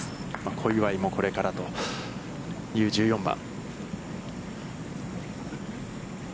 小祝もこれからという１４番。